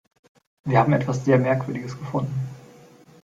Wir haben etwas sehr Merkwürdiges gefunden.